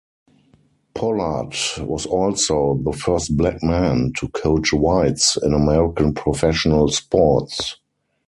Pollard was also the first black man to coach whites in American professional sports.